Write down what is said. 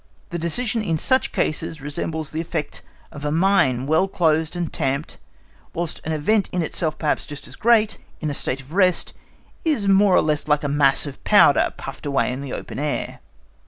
The decision in such cases resembles the effect of a mine well closed and tamped, whilst an event in itself perhaps just as great, in a state of rest, is more or less like a mass of powder puffed away in the open air.